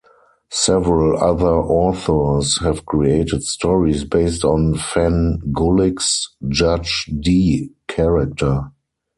Several other authors have created stories based on Van Gulik's Judge Dee character.